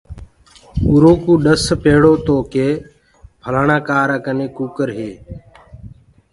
اُرو ڪوُ ڏس پيڙو تو ڪي ڦلآڻآ ڪآرآ ڪني ڪٚڪَر هي۔